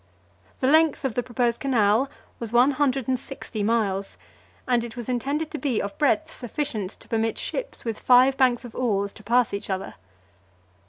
The length of the proposed canal was one hundred and sixty miles; and it was intended to be of breadth sufficient to permit ships with five banks of oars to pass each other.